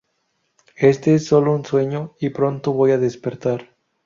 Este es solo un sueño, y pronto voy a despertar.